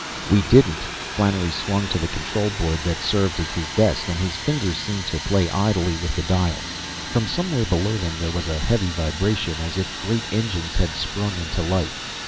"We didn't!" Flannery swung to the control board that served as his desk, and his fingers seemed to play idly with the dials. From somewhere below them, there was a heavy vibration, as if great engines had sprung into life.